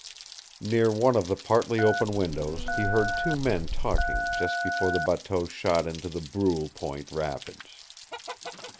Near one of the partly open windows he heard two men talking just before the bateau shot into the Brule Point rapids.